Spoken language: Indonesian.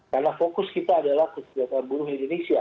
karena fokus kita adalah kesejahteraan buruh indonesia